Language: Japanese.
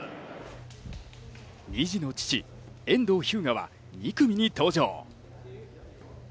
２児の父、遠藤日向は２組に登場。